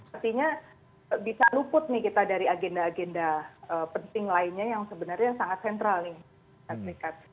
artinya bisa luput nih kita dari agenda agenda penting lainnya yang sebenarnya sangat sentral nih